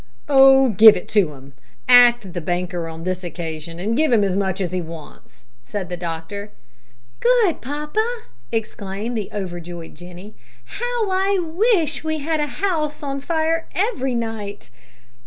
"Oh! give it him. Act the banker on this occasion, and give him as much as he wants," said the doctor. "Good papa!" exclaimed the overjoyed Jenny; "how I wis' we had a house on fire every night!"